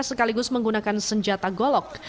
sekaligus menggunakan senjata golok